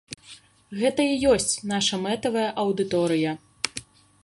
Гэта і ёсць наша мэтавая аўдыторыя.